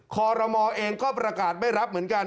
คอรมอเองก็ประกาศไม่รับเหมือนกัน